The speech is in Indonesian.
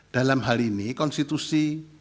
dalam hal ini konstitusi